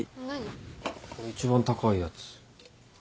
一番高いやつ。